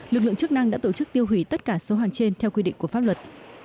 lực lượng chức năng đã tổ chức tiêu hủy tất cả số hàng trên theo quy định của pháp luật